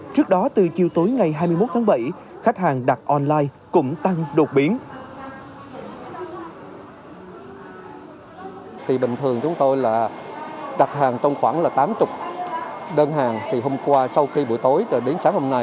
trước đó từ chiều tối ngày hai mươi một tháng bảy khách hàng đặt online cũng tăng đột biến